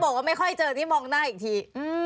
บอกว่าไม่ค่อยเจอนี่มองหน้าอีกที